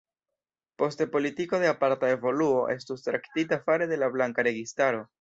Poste politiko de aparta evoluo estus traktita fare de la blanka registaro.